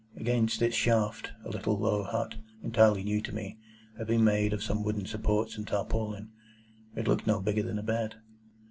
Against its shaft, a little low hut, entirely new to me, had been made of some wooden supports and tarpaulin. It looked no bigger than a bed.